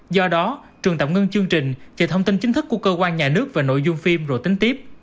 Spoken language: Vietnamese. do đó trường tạm ngưng chương trình về thông tin chính thức của cơ quan nhà nước về nội dung phim rồi tính tiếp